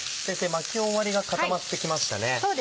巻き終わりが固まってきましたね。